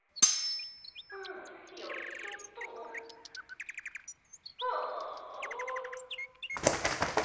はあよいしょっと。はああ。